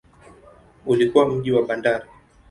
Ulikuwa mji wa bandari.